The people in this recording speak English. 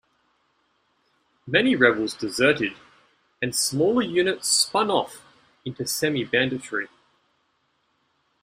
Many rebels deserted, and smaller units spun off into semi-banditry.